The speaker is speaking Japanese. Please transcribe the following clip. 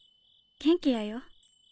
元気やよ。